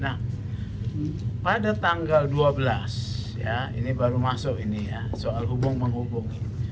nah pada tanggal dua belas ya ini baru masuk ini ya soal hubung menghubungi